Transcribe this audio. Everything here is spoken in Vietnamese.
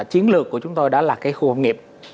chiến lược của chúng tôi đó là cái khu công nghiệp